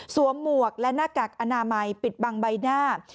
หมวกและหน้ากากอนามัยปิดบังใบหน้า